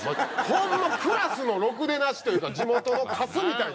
ホンマクラスのろくでなしというか地元のカスみたいな。